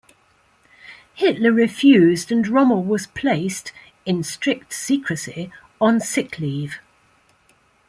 Hitler refused and Rommel was placed, in strict secrecy, on sick leave.